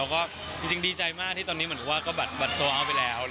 ก็จริงดีใจมากที่ตอนนี้เหมือนว่าก็บัตรโซอัลไปแล้ว